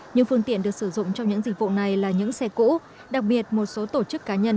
những phương tiện được sử dụng trong những dịch vụ này là những xe cũ đặc biệt một số tổ chức cá nhân